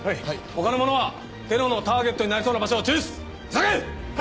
他の者はテロのターゲットになりそうな場所を抽出急げ！